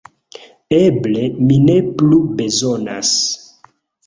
Eble mi ne plu bezonas…